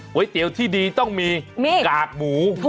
เตี๋ยวที่ดีต้องมีกากหมู